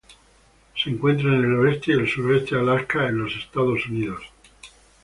Se encuentra en el oeste y el suroeste de Alaska en los Estados Unidos.